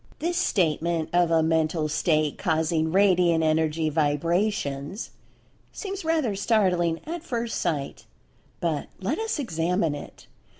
This statement of a "Mental State causing Radiant Energy Vibrations" seems rather startling at first sight—but let us examine it.